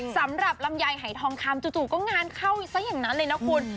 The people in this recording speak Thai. สำหรับลำไยหายทองคำจู่ก็งานเข้าซะอย่างนั้นเลยนะคุณ